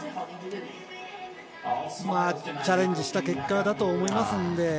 チャレンジした結果だと思いますので。